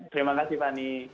terima kasih fanny